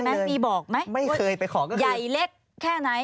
มีบอกไหมใหญ่เล็กแค่ไหนไม่เคยไปขอ